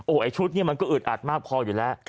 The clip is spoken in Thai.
ไอ้ชุดนี้มันก็อึดอัดมากพออยู่แล้ว